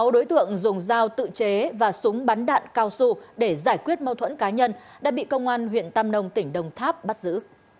sáu đối tượng dùng dao tự chế và súng bắn đạn cao su để giải quyết mâu thuẫn cá nhân đã bị công an huyện tam nông tỉnh đồng tháp bắt giữ